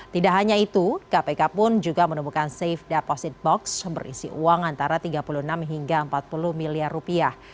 tidak hanya itu kpk pun juga menemukan safe deposit box berisi uang antara tiga puluh enam hingga empat puluh miliar rupiah